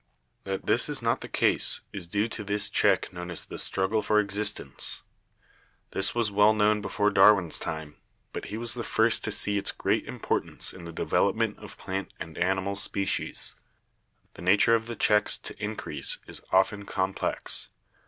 That this is not the case is due to this check known as the Struggle for Existence. This was well known before Darwin's time, but he was the first to see its great importance in the development of plant and animal species. The nature of the checks to increase is often complex.